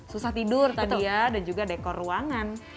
susah tidur tadi ya dan juga dekor ruangan